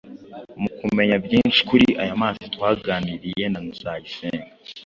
mu kumenya byinshi kuri aya mazi twaganiriye na Nzayisenga